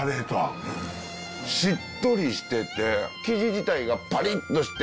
しっとりしてて生地自体がパリッとして。